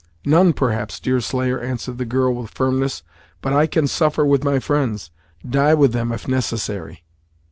"None, perhaps, Deerslayer," answered the girl, with firmness, "but I can suffer with my friends die with them if necessary."